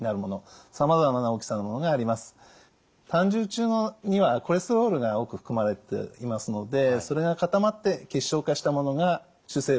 胆汁中にはコレステロールが多く含まれていますのでそれが固まって結晶化したものが主成分となります。